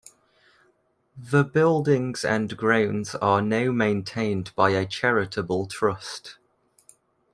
The buildings and grounds are now maintained by a charitable trust.